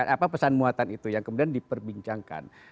apa pesan muatan itu yang kemudian diperbincangkan